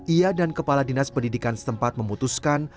ia dan kepala dinas pendidikan setempat memutuskan